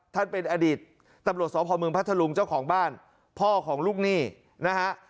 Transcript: ท่านเป็นอดีตตำรวจสพเมืองพัทธลุงเจ้าของบ้านพ่อของลูกหนี้นะฮะ